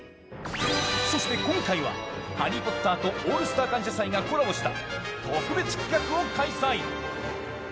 そして今回は、「ハリー・ポッター」と「オールスター感謝祭」がコラボした、特別企画を開催。